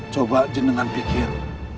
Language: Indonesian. coba jin dengan pikir